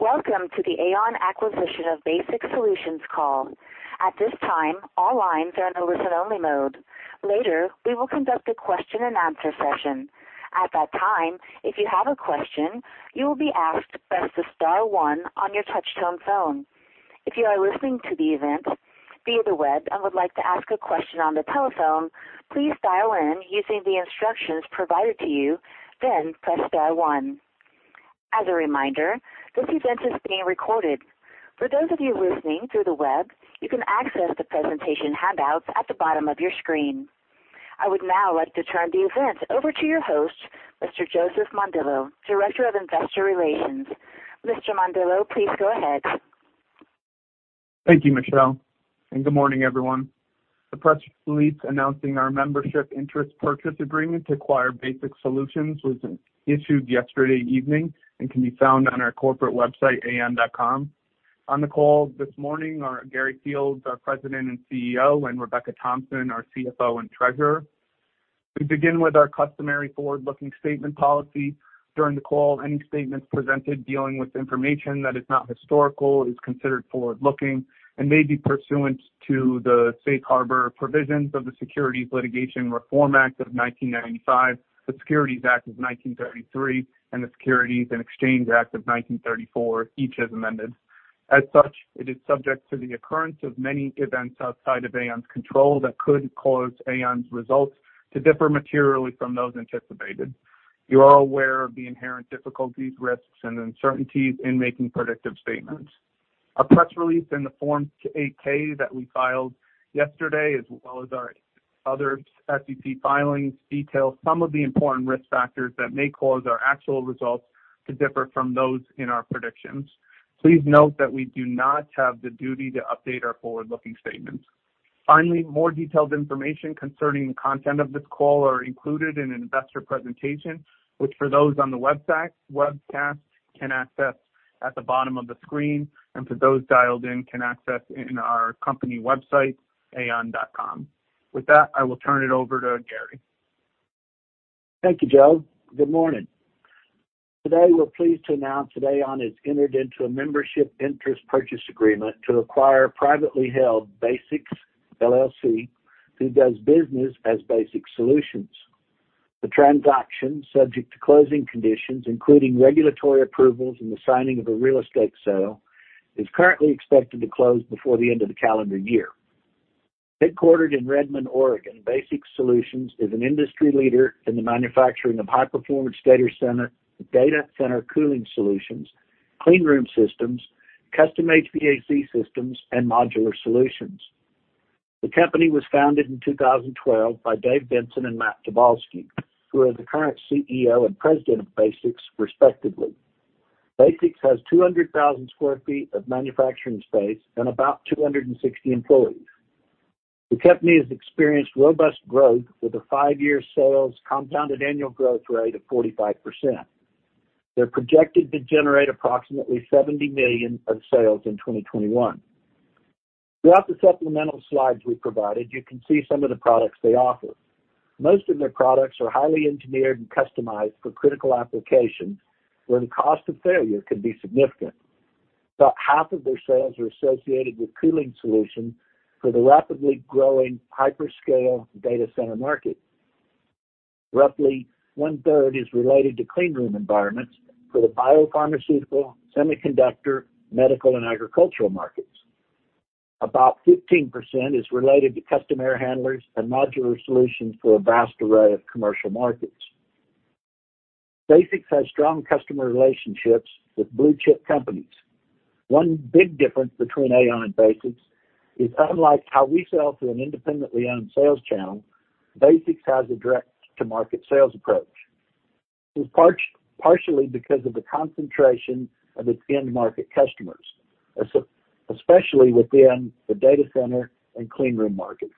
Welcome to the AAON Acquisition of BasX Solutions Call. At this time, all lines are in a listen-only mode. Later, we will conduct a question-and-answer session. At that time, if you have a question, you will be asked to press the star one on your touchtone phone. If you are listening to the event via the web and would like to ask a question on the telephone, please dial in using the instructions provided to you, then press star one. As a reminder, this event is being recorded. For those of you listening through the web, you can access the presentation handouts at the bottom of your screen. I would now like to turn the event over to your host, Mr. Joseph Mondillo, Director of Investor Relations. Mr. Mondillo, please go ahead. Thank you, Michelle, and good morning, everyone. The press release announcing our membership interest purchase agreement to acquire BasX Solutions was issued yesterday evening and can be found on our corporate website, aaon.com. On the call this morning are Gary Fields, our President and CEO, and Rebecca Thompson, our CFO and Treasurer. We begin with our customary forward-looking statement policy. During the call, any statements presented dealing with information that is not historical is considered forward-looking and may be pursuant to the Safe Harbor Provisions of the Securities Litigation Reform Act of 1995, the Securities Act of 1933, and the Securities and Exchange Act of 1934, each as amended. As such, it is subject to the occurrence of many events outside of AAON's control that could cause AAON's results to differ materially from those anticipated. You are aware of the inherent difficulties, risks, and uncertainties in making predictive statements. Our press release in the Form 8-K that we filed yesterday, as well as our other SEC filings, detail some of the important risk factors that may cause our actual results to differ from those in our predictions. Please note that we do not have the duty to update our forward-looking statements. Finally, more detailed information concerning the content of this call are included in an investor presentation, which for those on the webcast can access at the bottom of the screen, and for those dialed in can access in our company website, aaon.com. With that, I will turn it over to Gary. Thank you, Joe. Good morning. Today, we're pleased to announce that AAON has entered into a membership interest purchase agreement to acquire privately held BasX, LLC, who does business as BasX Solutions. The transaction, subject to closing conditions, including regulatory approvals and the signing of a real estate sale, is currently expected to close before the end of the calendar year. Headquartered in Redmond, Oregon, BasX Solutions is an industry leader in the manufacturing of high-performance data center, data center cooling solutions, clean room systems, custom HVAC systems, and modular solutions. The company was founded in 2012 by Dave Benson and Matt Tobolski, who are the current CEO and President of BasX respectively. BasX has 200,000 sq ft of manufacturing space and about 260 employees. The company has experienced robust growth with a five-year sales compounded annual growth rate of 45%. They're projected to generate approximately $70 million of sales in 2021. Throughout the supplemental slides we provided, you can see some of the products they offer. Most of their products are highly engineered and customized for critical applications where the cost of failure can be significant. About half of their sales are associated with cooling solutions for the rapidly growing hyperscale data center market. Roughly 1/3 is related to clean room environments for the biopharmaceutical, semiconductor, medical, and agricultural markets. About 15% is related to custom air handlers and modular solutions for a vast array of commercial markets. BasX has strong customer relationships with blue-chip companies. One big difference between AAON and BasX is unlike how we sell through an independently owned sales channel, BasX has a direct-to-market sales approach. This is partially because of the concentration of its end-market customers, especially within the data center and clean room markets.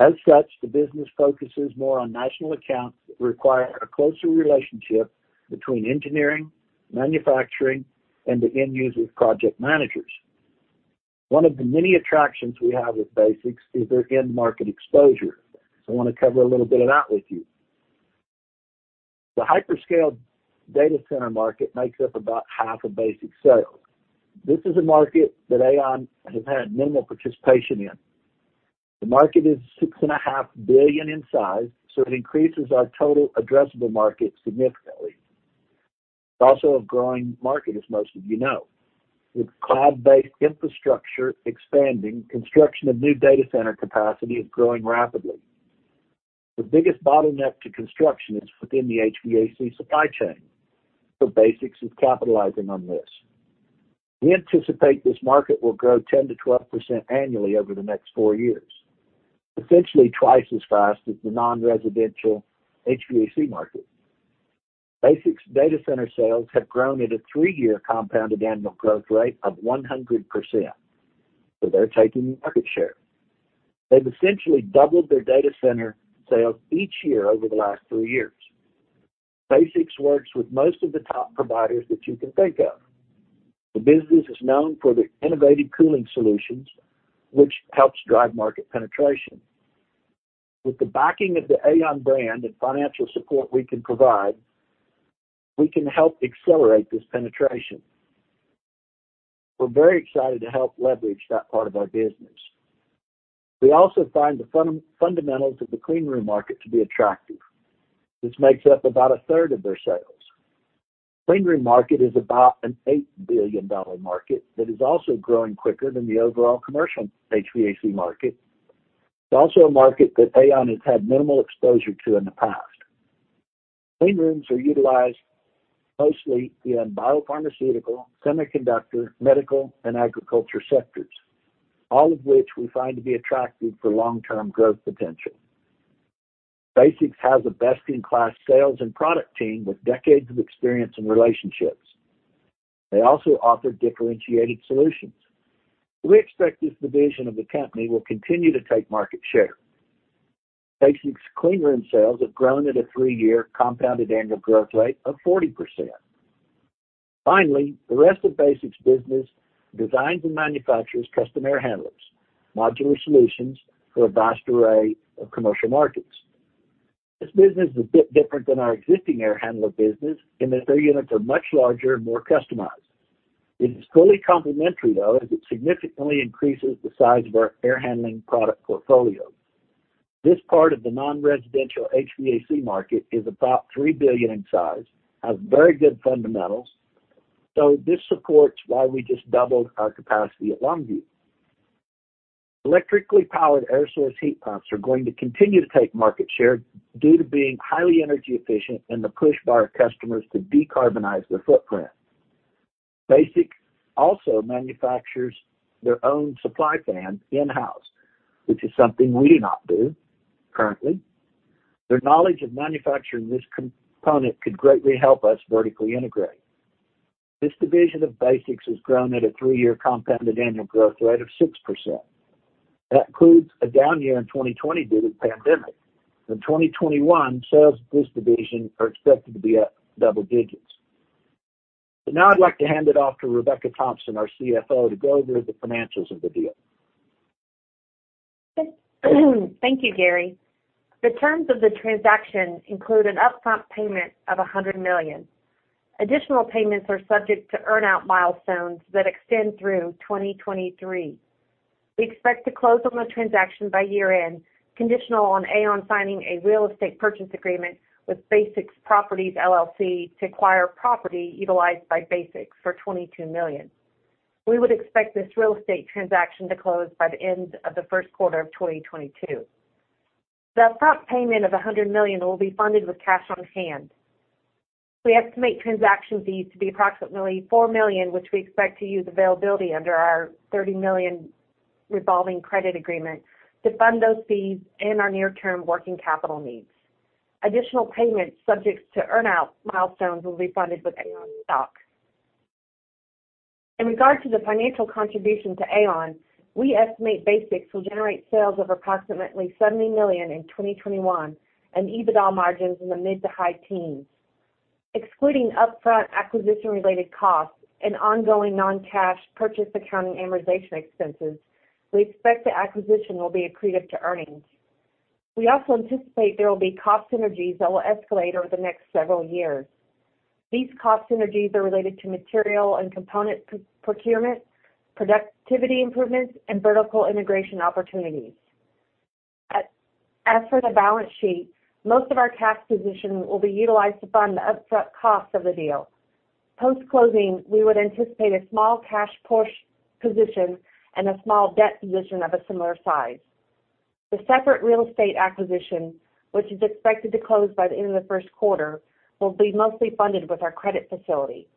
As such, the business focuses more on national accounts that require a closer relationship between engineering, manufacturing, and the end user's project managers. One of the many attractions we have with BasX is their end-market exposure. So I wanna cover a little bit of that with you. The hyperscale data center market makes up about half of BasX's sales. This is a market that AAON has had minimal participation in. The market is $6.5 billion in size, so it increases our total addressable market significantly. It's also a growing market, as most of you know. With cloud-based infrastructure expanding, construction of new data center capacity is growing rapidly. The biggest bottleneck to construction is within the HVAC supply chain, so BasX is capitalizing on this. We anticipate this market will grow 10%-12% annually over the next four years, essentially twice as fast as the non-residential HVAC market. BasX's data center sales have grown at a three-year compounded annual growth rate of 100%, so they're taking market share. They've essentially doubled their data center sales each year over the last three years. BasX works with most of the top providers that you can think of. The business is known for their innovative cooling solutions, which helps drive market penetration. With the backing of the AAON brand and financial support we can provide, we can help accelerate this penetration. We're very excited to help leverage that part of our business. We also find the fundamentals of the clean room market to be attractive. This makes up about a third of their sales. Cleanroom market is about an $8 billion market that is also growing quicker than the overall commercial HVAC market. It's also a market that AAON has had minimal exposure to in the past. Cleanrooms are utilized mostly in biopharmaceutical, semiconductor, medical, and agriculture sectors, all of which we find to be attractive for long-term growth potential. BasX has a best-in-class sales and product team with decades of experience and relationships. They also offer differentiated solutions. We expect this division of the company will continue to take market share. BasX cleanroom sales have grown at a three-year compounded annual growth rate of 40%. Finally, the rest of BasX's business designs and manufactures custom air handlers, modular solutions for a vast array of commercial markets. This business is a bit different than our existing air handler business in that their units are much larger and more customized. It is fully complementary, though, as it significantly increases the size of our air handling product portfolio. This part of the non-residential HVAC market is about $3 billion in size, has very good fundamentals, so this supports why we just doubled our capacity at Longview. Electrically powered air source heat pumps are going to continue to take market share due to being highly energy efficient and the push by our customers to decarbonize their footprint. BasX also manufactures their own supply fan in-house, which is something we do not do currently. Their knowledge of manufacturing this component could greatly help us vertically integrate. This division of BasX has grown at a three-year CAGR of 6%. That includes a down year in 2020 due to the pandemic. In 2021, sales of this division are expected to be up double digits. Now I'd like to hand it off to Rebecca Thompson, our CFO, to go through the financials of the deal. Thank you, Gary. The terms of the transaction include an upfront payment of $100 million. Additional payments are subject to earn-out milestones that extend through 2023. We expect to close on the transaction by year-end, conditional on AAON signing a real estate purchase agreement with BasX Properties, LLC to acquire property utilized by BasX for $22 million. We would expect this real estate transaction to close by the end of the first quarter of 2022. The upfront payment of $100 million will be funded with cash on hand. We estimate transaction fees to be approximately $4 million, which we expect to use availability under our $30 million revolving credit agreement to fund those fees and our near-term working capital needs. Additional payments subject to earn-out milestones will be funded with AAON stock. In regard to the financial contribution to AAON, we estimate BasX will generate sales of approximately $70 million in 2021 and EBITDA margins in the mid- to high-teens. Excluding upfront acquisition-related costs and ongoing non-cash purchase accounting amortization expenses, we expect the acquisition will be accretive to earnings. We also anticipate there will be cost synergies that will escalate over the next several years. These cost synergies are related to material and component procurement, productivity improvements, and vertical integration opportunities. As for the balance sheet, most of our cash position will be utilized to fund the upfront costs of the deal. Post-closing, we would anticipate a small cash-plus position and a small debt position of a similar size. The separate real estate acquisition, which is expected to close by the end of the first quarter, will be mostly funded with our credit facility.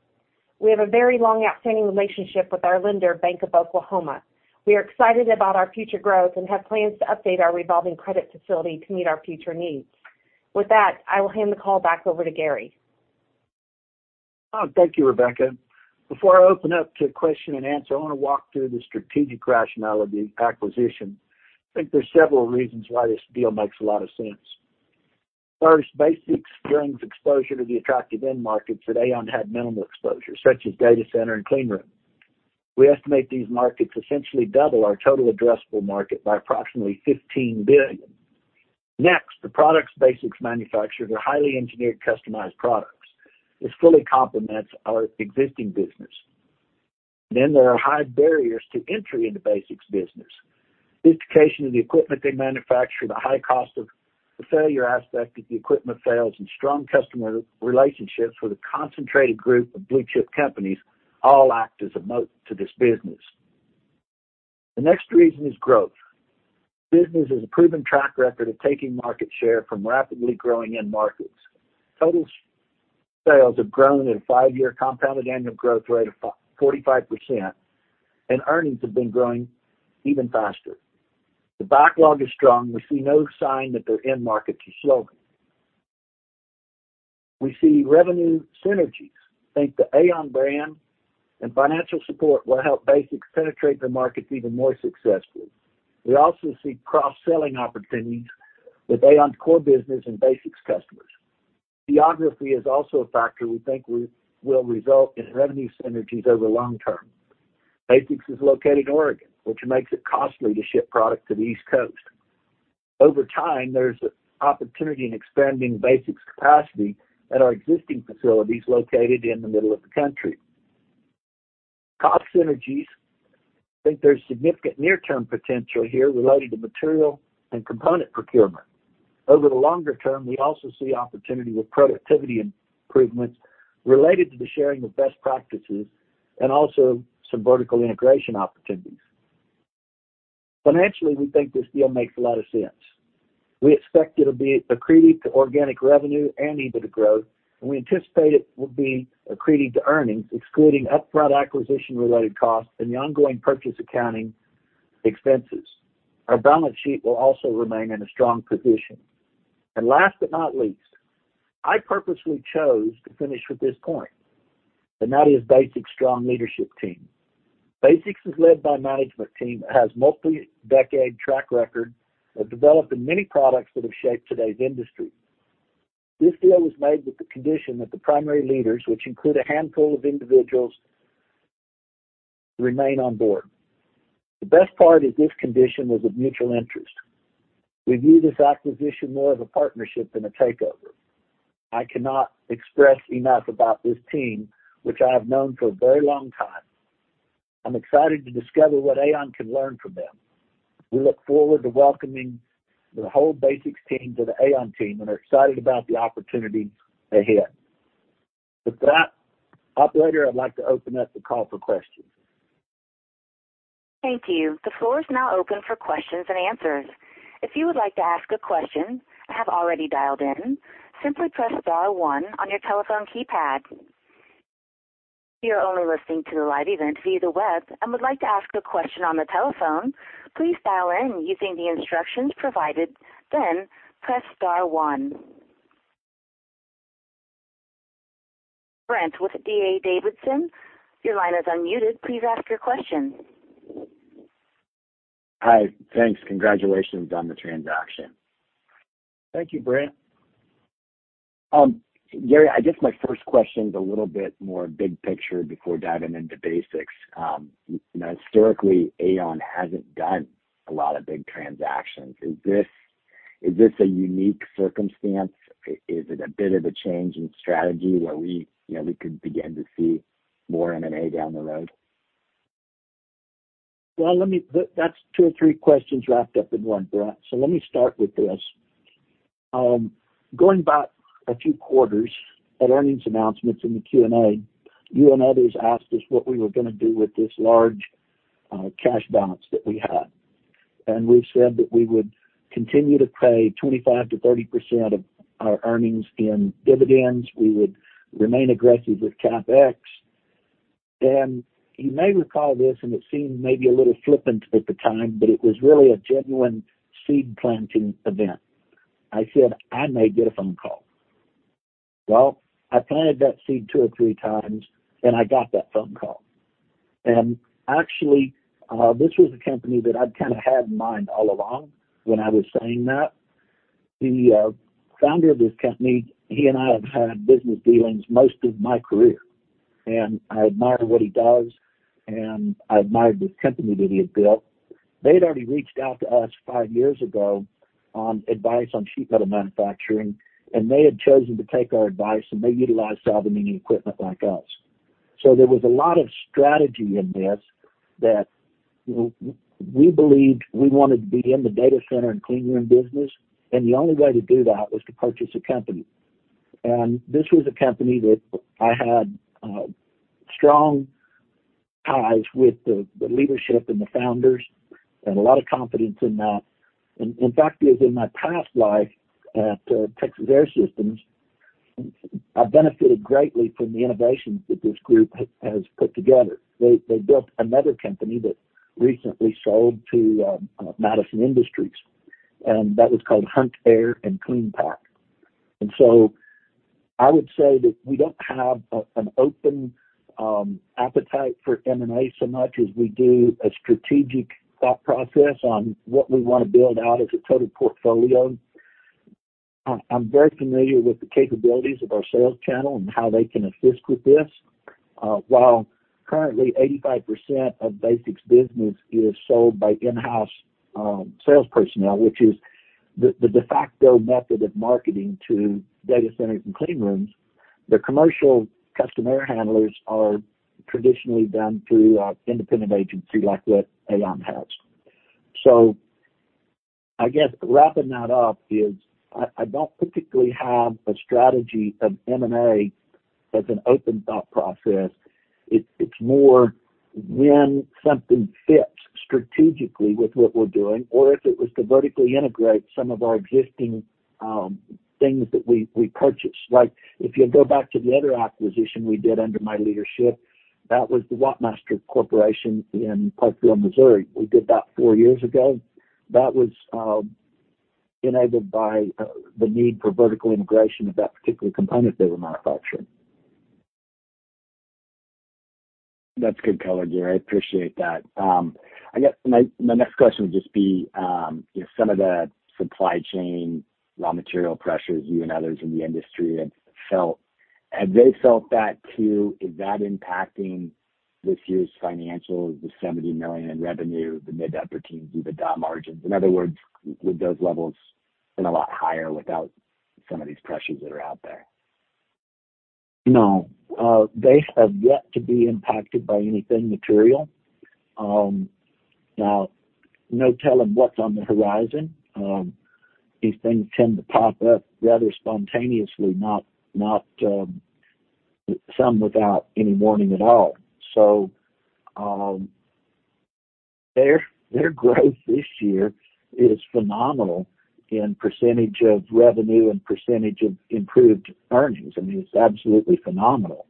We have a very long outstanding relationship with our lender, Bank of Oklahoma. We are excited about our future growth and have plans to update our revolving credit facility to meet our future needs. With that, I will hand the call back over to Gary. Oh, thank you, Rebecca. Before I open up to question and answer, I wanna walk through the strategic rationale of the acquisition. I think there's several reasons why this deal makes a lot of sense. First, BasX brings exposure to the attractive end markets that AAON had minimal exposure, such as data center and clean room. We estimate these markets essentially double our total addressable market by approximately $15 billion. Next, the products BasX manufacture are highly engineered, customized products. This fully complements our existing business. There are high barriers to entry into BasX's business. Sophistication of the equipment they manufacture, the high cost of the failure aspect if the equipment fails, and strong customer relationships with a concentrated group of blue-chip companies all act as a moat to this business. The next reason is growth. The business has a proven track record of taking market share from rapidly growing end markets. Total sales have grown at a five-year compounded annual growth rate of 45%, and earnings have been growing even faster. The backlog is strong. We see no sign that their end markets are slowing. We see revenue synergies. We think the AAON brand and financial support will help BasX penetrate the markets even more successfully. We also see cross-selling opportunities with AAON's core business and BasX customers. Geography is also a factor we think will result in revenue synergies over the long term. BasX is located in Oregon, which makes it costly to ship product to the East Coast. Over time, there's an opportunity in expanding BasX capacity at our existing facilities located in the middle of the country. Cost synergies. I think there's significant near-term potential here related to material and component procurement. Over the longer term, we also see opportunity with productivity improvements related to the sharing of best practices and also some vertical integration opportunities. Financially, we think this deal makes a lot of sense. We expect it'll be accretive to organic revenue and EBITDA growth, and we anticipate it will be accretive to earnings, excluding upfront acquisition-related costs and the ongoing purchase accounting expenses. Our balance sheet will also remain in a strong position. Last but not least, I purposely chose to finish with this point, and that is BasX's strong leadership team. BasX is led by a management team that has multi-decade track record of developing many products that have shaped today's industry. This deal was made with the condition that the primary leaders, which include a handful of individuals, remain on board. The best part is this condition was of mutual interest. We view this acquisition more of a partnership than a takeover. I cannot express enough about this team, which I have known for a very long time. I'm excited to discover what AAON can learn from them. We look forward to welcoming the whole BasX team to the AAON team and are excited about the opportunities ahead. With that, operator, I'd like to open up the call for questions. Thank you. The floor is now open for questions and answers. If you would like to ask a question and have already dialed in, simply press star one on your telephone keypad. If you're only listening to the live event via the web and would like to ask a question on the telephone, please dial in using the instructions provided, then press star one. Brent with D.A. Davidson, your line is unmuted. Please ask your question. Hi. Thanks. Congratulations on the transaction. Thank you, Brent. Gary, I guess my first question is a little bit more big picture before diving into BasX. You know, historically, AAON hasn't done a lot of big transactions. Is this a unique circumstance? Is it a bit of a change in strategy where we, you know, we could begin to see more M&A down the road? That's two or three questions wrapped up in one, Brent. Let me start with this. Going back a few quarters at earnings announcements in the Q&A, you and others asked us what we were gonna do with this large cash balance that we had. We said that we would continue to pay 25%-30% of our earnings in dividends. We would remain aggressive with CapEx. You may recall this, and it seemed maybe a little flippant at the time, but it was really a genuine seed planting event. I said I may get a phone call. Well, I planted that seed two or three times, and I got that phone call. Actually, this was a company that I'd kinda had in mind all along when I was saying that. The founder of this company, he and I have had business dealings most of my career, and I admire what he does, and I admire the company that he has built. They'd already reached out to us five years ago on advice on sheet metal manufacturing, and they had chosen to take our advice, and they utilized AMB equipment like us. There was a lot of strategy in this that we believed we wanted to be in the data center and clean room business, and the only way to do that was to purchase a company. This was a company that I had strong ties with the leadership and the founders and a lot of confidence in that. In fact, as in my past life at Texas AirSystems, I benefited greatly from the innovations that this group has put together. They built another company that recently sold to Madison Industries, and that was called Huntair and CleanPak. I would say that we don't have an open appetite for M&A so much as we do a strategic thought process on what we wanna build out as a total portfolio. I'm very familiar with the capabilities of our sales channel and how they can assist with this. While currently 85% of BasX business is sold by in-house sales personnel, which is the de facto method of marketing to data centers and clean rooms, the commercial custom air handlers are traditionally done through an independent agency like what AAON has. I guess wrapping that up is I don't particularly have a strategy of M&A as an open thought process. It's more when something fits strategically with what we're doing or if it was to vertically integrate some of our existing things that we purchased. Like if you go back to the other acquisition we did under my leadership, that was the WattMaster Corporation in Parkville, Missouri. We did that four years ago. That was enabled by the need for vertical integration of that particular component they were manufacturing. That's good color, Gary. I appreciate that. I guess my next question would just be, you know, some of the supply chain raw material pressures you and others in the industry have felt. Have they felt that, too? Is that impacting this year's financials, the $70 million in revenue, the mid-to upper-teens EBITDA margins? In other words, would those levels been a lot higher without some of these pressures that are out there? No. They have yet to be impacted by anything material. Now, no telling what's on the horizon. These things tend to pop up rather spontaneously, not some without any warning at all. Their growth this year is phenomenal in percentage of revenue and percentage of improved earnings. I mean, it's absolutely phenomenal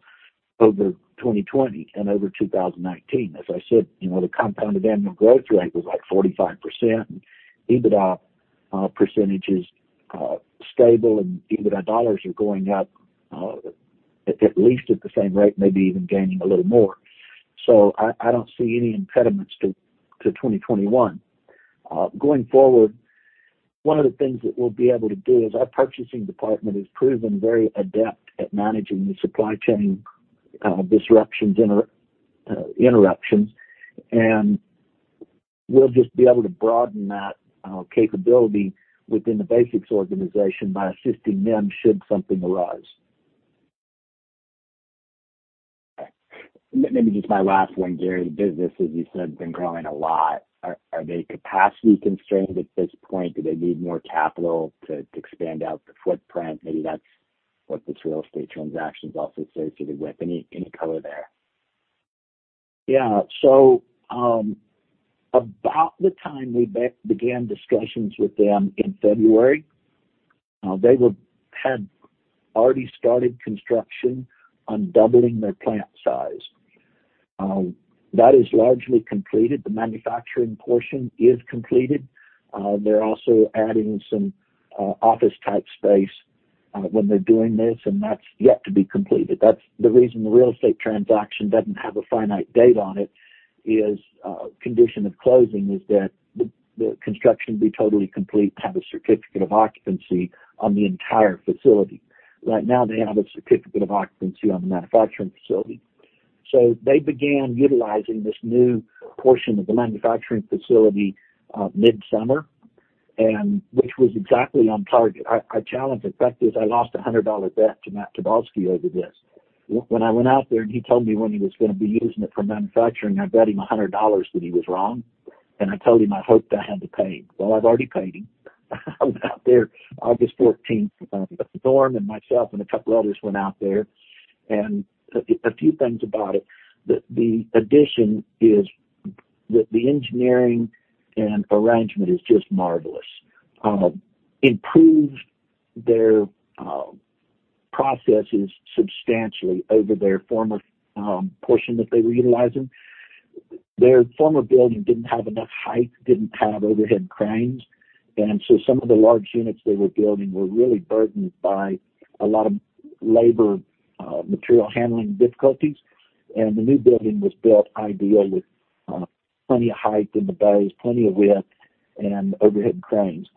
over 2020 and over 2019. As I said, you know, the compounded annual growth rate was like 45%. EBITDA percentage is stable and EBITDA dollars are going up at least at the same rate, maybe even gaining a little more. I don't see any impediments to 2021. Going forward, one of the things that we'll be able to do is our purchasing department has proven very adept at managing the supply chain disruptions and interruptions. We'll just be able to broaden that capability within the BasX organization by assisting them should something arise. Okay. Let me just my last one, Gary. The business, as you said, has been growing a lot. Are they capacity constrained at this point? Do they need more capital to expand out the footprint? Maybe that's what this real estate transaction is also associated with. Any color there? Yeah. About the time we began discussions with them in February, they had already started construction on doubling their plant size. That is largely completed. The manufacturing portion is completed. They're also adding some office type space when they're doing this, and that's yet to be completed. That's the reason the real estate transaction doesn't have a finite date on it, is condition of closing is that the construction be totally complete to have a certificate of occupancy on the entire facility. Right now they have a certificate of occupancy on the manufacturing facility. They began utilizing this new portion of the manufacturing facility mid-summer, and which was exactly on target. I challenged. In fact I lost a $100 bet to Matt Tobolski over this. When I went out there, and he told me when he was gonna be using it for manufacturing, I bet him $100 that he was wrong, and I told him I hoped I had to pay. Well, I've already paid him. I went out there August 14th. Norm and myself and a couple others went out there. A few things about it. The addition, the engineering and arrangement, is just marvelous. Improved their processes substantially over their former portion that they were utilizing. Their former building didn't have enough height, didn't have overhead cranes, and so some of the large units they were building were really burdened by a lot of labor, material handling difficulties. The new building was built ideal with plenty of height in the bays, plenty of width and overhead cranes.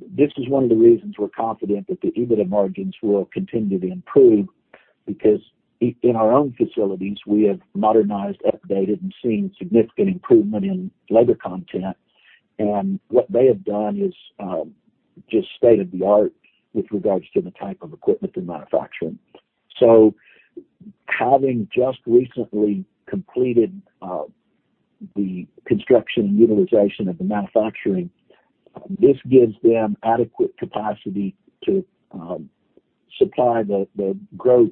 This is one of the reasons we're confident that the EBITDA margins will continue to improve, because in our own facilities, we have modernized, updated, and seen significant improvement in labor content. What they have done is just state-of-the-art with regards to the type of equipment they're manufacturing. Having just recently completed the construction and utilization of the manufacturing, this gives them adequate capacity to supply the growth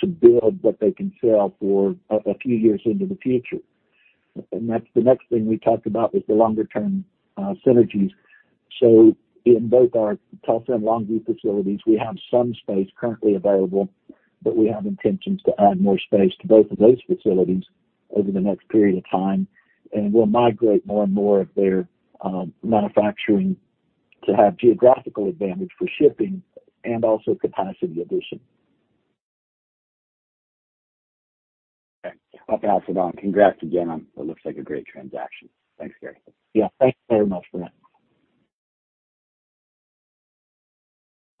to build what they can sell for a few years into the future. That's the next thing we talked about was the longer term synergies. In both our Tulsa and Longview facilities, we have some space currently available, but we have intentions to add more space to both of those facilities over the next period of time. We'll migrate more and more of their manufacturing to have geographical advantage for shipping and also capacity addition. Okay. I'll pass it on. Congrats again on what looks like a great transaction. Thanks, Gary. Yeah, thanks very much,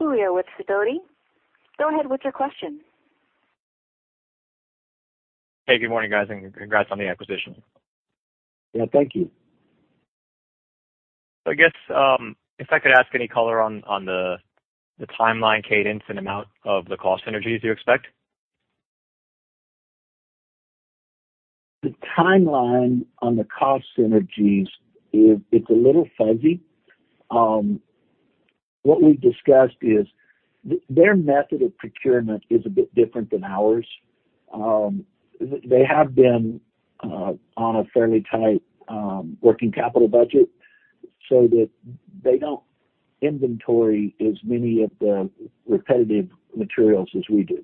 Brent. Julio with Sidoti. Go ahead with your question. Hey, good morning, guys, and congrats on the acquisition. Yeah, thank you. I guess if I could ask any color on the timeline cadence and amount of the cost synergies you expect. The timeline on the cost synergies is. It's a little fuzzy. What we've discussed is their method of procurement is a bit different than ours. They have been on a fairly tight working capital budget so that they don't inventory as many of the repetitive materials as we do,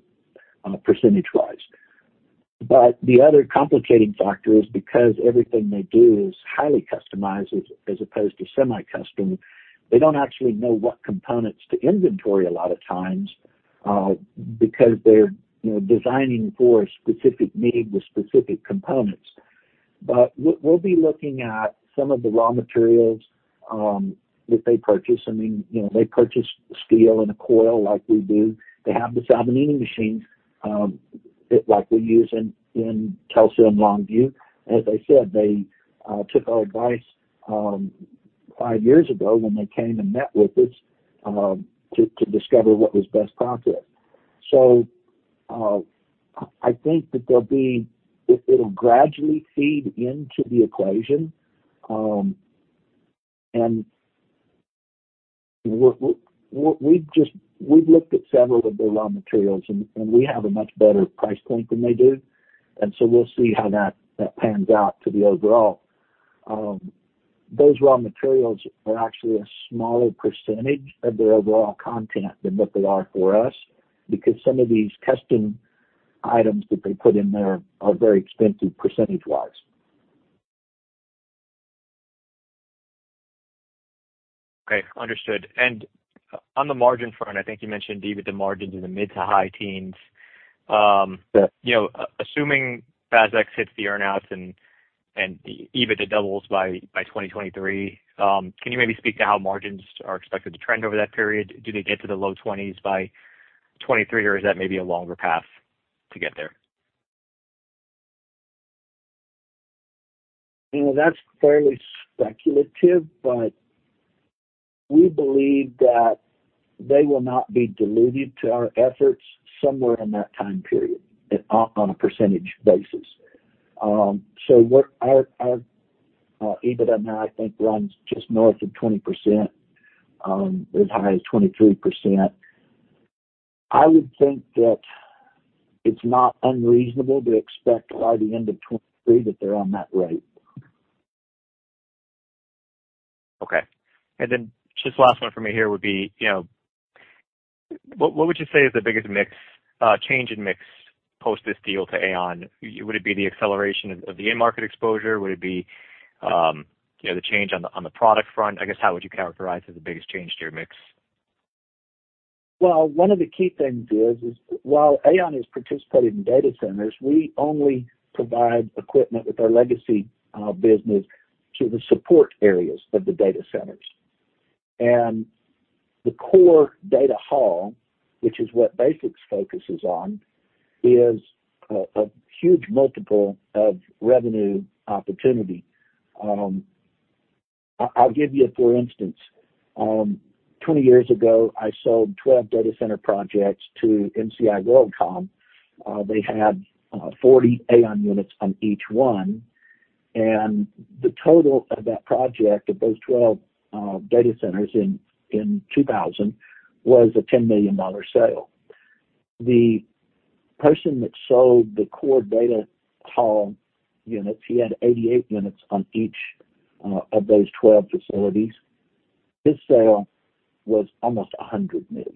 percentage wise. The other complicating factor is because everything they do is highly customized as opposed to semi-custom, they don't actually know what components to inventory a lot of times, because they're, you know, designing for a specific need with specific components. We'll be looking at some of the raw materials that they purchase. I mean, you know, they purchase steel and a coil like we do. They have the Salvagnini machines like we use in Tulsa and Longview. As I said, they took our advice five years ago when they came and met with us to discover what was best practice. I think it'll gradually feed into the equation. We've just looked at several of their raw materials and we have a much better price point than they do, and we'll see how that pans out to the overall. Those raw materials are actually a smaller percentage of their overall content than what they are for us, because some of these custom items that they put in there are very expensive percentage-wise. Okay, understood. On the margin front, I think you mentioned EBITDA margins in the mid- to high teens. You know, assuming BasX hits the earn outs and EBITDA doubles by 2023, can you maybe speak to how margins are expected to trend over that period? Do they get to the low twenties by 2023, or is that maybe a longer path to get there? You know, that's fairly speculative, but we believe that they will not be dilutive to our efforts somewhere in that time period, on a percentage basis. What our EBITDA now, I think, runs just north of 20%, as high as 23%. I would think that it's not unreasonable to expect by the end of 2023 that they're on that rate. Okay. Just last one for me here would be, you know, what would you say is the biggest mix change in mix post this deal to AAON? Would it be the acceleration of the end market exposure? Would it be, you know, the change on the product front? I guess how would you characterize as the biggest change to your mix? Well, one of the key things is while AAON is participating in data centers, we only provide equipment with our legacy business to the support areas of the data centers. The core data hall, which is what BasX focuses on, is a huge multiple of revenue opportunity. I'll give you a for instance. Two years ago, I sold 12 data center projects to MCI WorldCom. They had 40 AAON units on each one, and the total of that project, of those 12 data centers in 2000 was a $10 million sale. The person that sold the core data hall units, he had 88 units on each of those 12 facilities. His sale was almost a $100 million,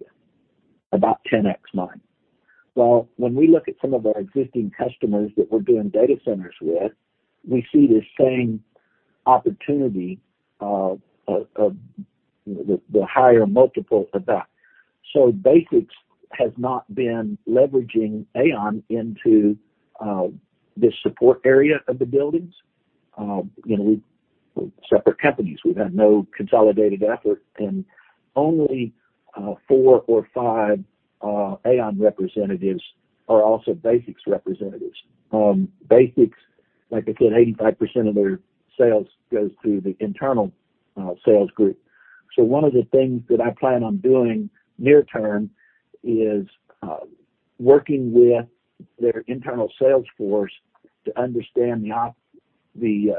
about 10x mine. Well, when we look at some of our existing customers that we're doing data centers with, we see the same opportunity of the higher multiple of that. BasX has not been leveraging AAON into this support area of the buildings. You know, we're separate companies. We've had no consolidated effort, and only four or five AAON representatives are also BasX representatives. BasX, like I said, 85% of their sales goes through the internal sales group. One of the things that I plan on doing near term is working with their internal sales force to understand the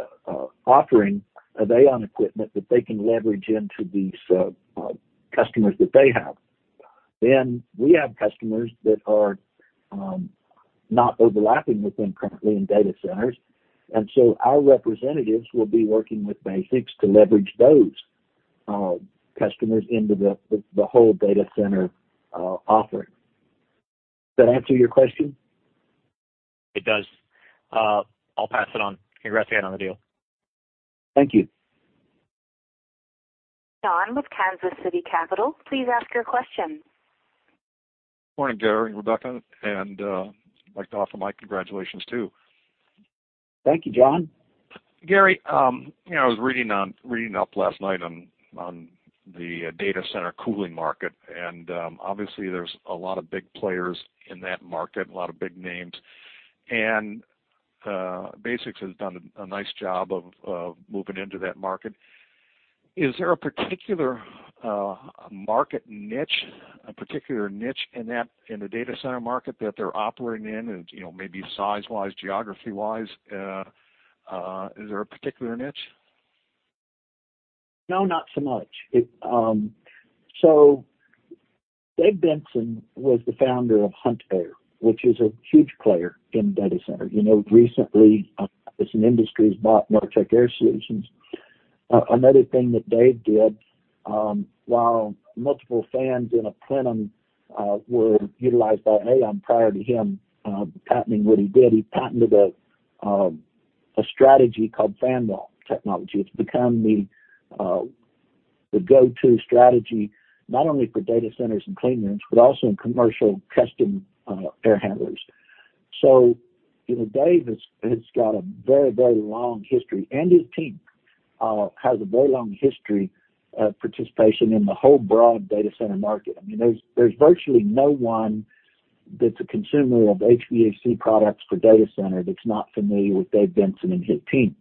offering of AAON equipment that they can leverage into these customers that they have. We have customers that are not overlapping with them currently in data centers. Our representatives will be working with BasX to leverage those customers into the whole data center offering. Does that answer your question? It does. I'll pass it on. Congrats again on the deal. Thank you. John with Kansas City Capital, please ask your question. Morning, Gary and Rebecca. I'd like to offer my congratulations, too. Thank you, John. Gary, you know, I was reading up last night on the data center cooling market, and obviously there's a lot of big players in that market, a lot of big names. BasX has done a nice job of moving into that market. Is there a particular market niche, a particular niche in the data center market that they're operating in? You know, maybe size-wise, geography-wise, is there a particular niche? No, not so much. Dave Benson was the founder of Huntair, which is a huge player in data center. You know, recently, AAON has bought BasX Solutions. Another thing that Dave did, while multiple fans in a plenum were utilized by AAON prior to him patenting what he did, he patented a strategy called FANWALL TECHNOLOGY. It's become the go-to strategy, not only for data centers and clean rooms, but also in commercial custom air handlers. You know, Dave has got a very, very long history, and his team has a very long history of participation in the whole broad data center market. I mean, there's virtually no one that's a consumer of HVAC products for data center that's not familiar with Dave Benson and his team.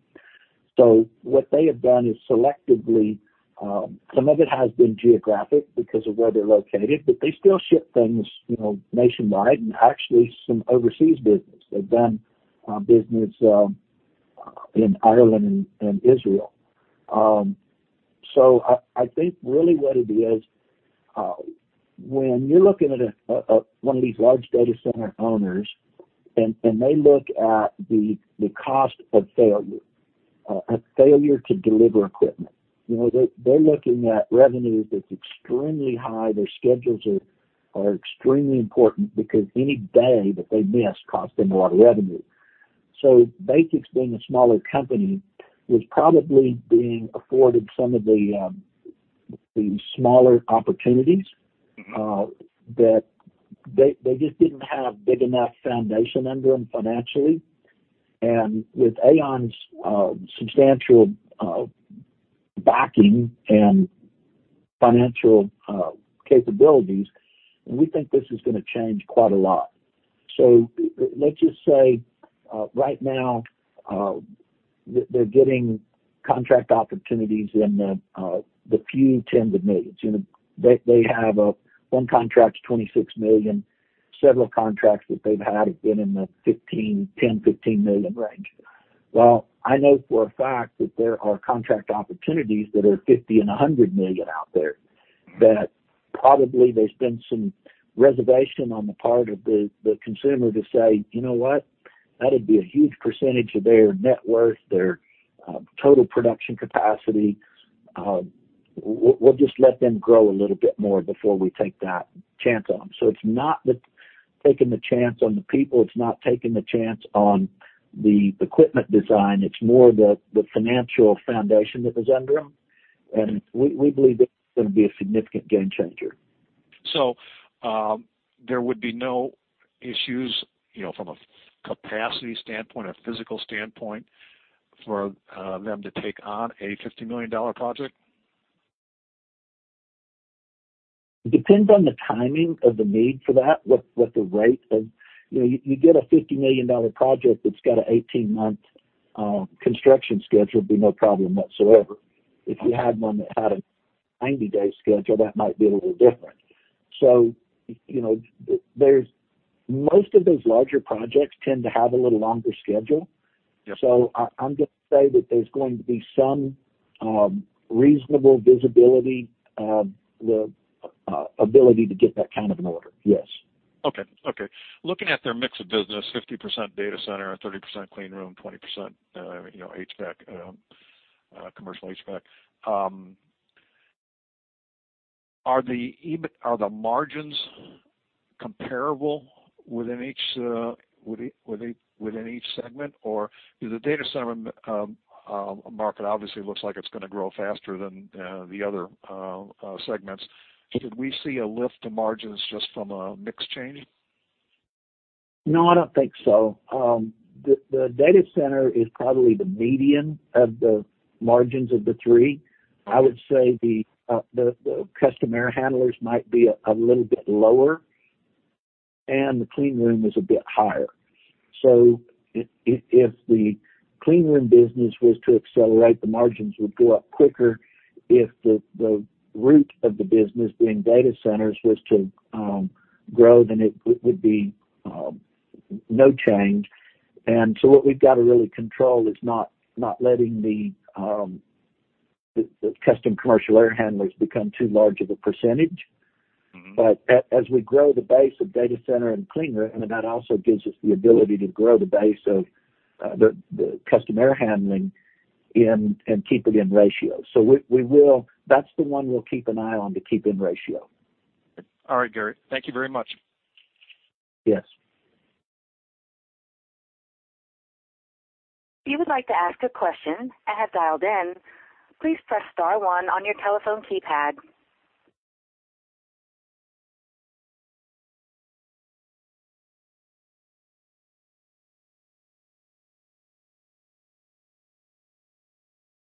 What they have done is selectively, some of it has been geographic because of where they're located, but they still ship things, you know, nationwide and actually some overseas business. They've done business in Ireland and Israel. I think really what it is when you're looking at a one of these large data center owners and they look at the cost of failure, a failure to deliver equipment, you know, they're looking at revenue that's extremely high. Their schedules are extremely important because any day that they miss costs them a lot of revenue. BasX being a smaller company was probably being afforded some of the smaller opportunities that they just didn't have big enough foundation under them financially. With AAON's substantial backing and financial capabilities, we think this is gonna change quite a lot. Let's just say, right now, they're getting contract opportunities in the few tens of millions. You know, they have one contract's $26 million. Several contracts that they've had have been in the $15, $10, $15 million range. Well, I know for a fact that there are contract opportunities that are $50 and $100 million out there, that probably there's been some reservation on the part of the consumer to say, "You know what? That'd be a huge percentage of their net worth, their total production capacity. We'll just let them grow a little bit more before we take that chance on them." It's not the taking the chance on the people, it's not taking the chance on the equipment design. It's more the financial foundation that was under them. We believe this is gonna be a significant game changer. There would be no issues, you know, from a capacity standpoint, a physical standpoint for them to take on a $50 million project? Depends on the timing of the need for that. You know, you get a $50 million project that's got a 18-month construction schedule, it'd be no problem whatsoever. If you had one that had a 90-day schedule, that might be a little different. You know, there's most of those larger projects tend to have a little longer schedule. Yeah. I'm gonna say that there's going to be some reasonable visibility, the ability to get that kind of an order. Yes. Looking at their mix of business, 50% data center, 30% clean room, 20% commercial HVAC. Are the margins comparable within each segment? Or the data center market obviously looks like it's gonna grow faster than the other segments. Could we see a lift to margins just from a mix change? No, I don't think so. The data center is probably the median of the margins of the three. I would say the custom air handlers might be a little bit lower, and the clean room is a bit higher. If the clean room business was to accelerate, the margins would go up quicker. If the bulk of the business being data centers was to grow, then it would be no change. What we've got to really control is not letting the custom commercial air handlers become too large of a percentage. Mm-hmm. As we grow the base of data center and clean room, and that also gives us the ability to grow the base of the custom air handling and keep it in ratio. That's the one we'll keep an eye on to keep in ratio. All right, Gary. Thank you very much. Yes. If you would like to ask a question and have dialed in, please press star one on your telephone keypad.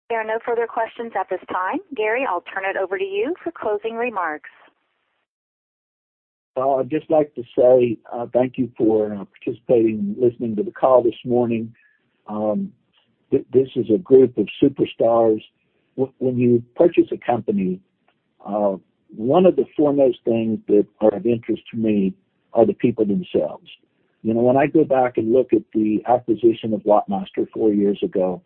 There are no further questions at this time. Gary, I'll turn it over to you for closing remarks. Well, I'd just like to say, thank you for participating and listening to the call this morning. This is a group of superstars. When you purchase a company, one of the foremost things that are of interest to me are the people themselves. You know, when I go back and look at the acquisition of WattMaster four years ago,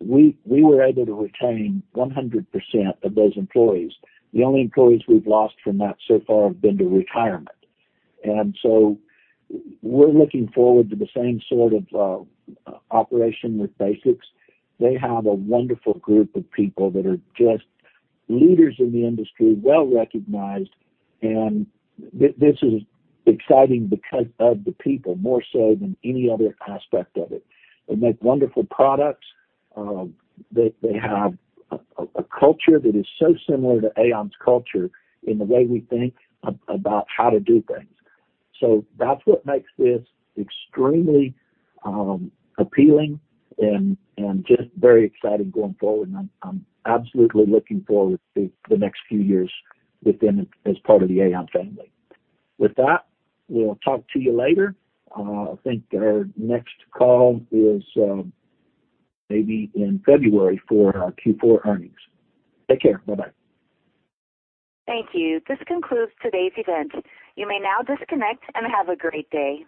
we were able to retain 100% of those employees. The only employees we've lost from that so far have been to retirement. We're looking forward to the same sort of operation with BasX. They have a wonderful group of people that are just leaders in the industry, well-recognized, and this is exciting because of the people, more so than any other aspect of it. They make wonderful products. They have a culture that is so similar to AAON's culture in the way we think about how to do things. That's what makes this extremely appealing and just very exciting going forward. I'm absolutely looking forward to the next few years with them as part of the AAON family. With that, we'll talk to you later. I think our next call is maybe in February for our Q4 earnings. Take care. Bye-bye. Thank you. This concludes today's event. You may now disconnect and have a great day.